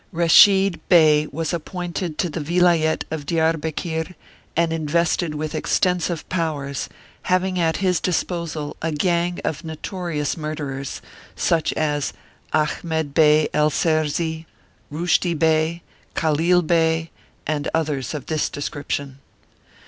Reshid Bey was ap 12 Martyred Armenia pointed to the Vilayet of Diarbekir and invested with extensive powers, having at his disposal a gang of notorious murderers, such as Ahmed Bey El Serzi, Rushdi Bey, Khalil Bey, and others of this description.